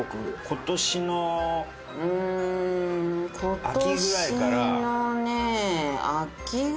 今年のね秋ぐらいからね。